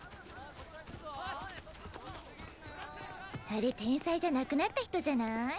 あれ天才じゃなくなった人じゃない？